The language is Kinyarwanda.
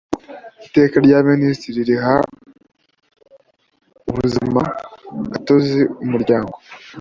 Iteka rya Minisitiri riha ubuzimagatozi umuryango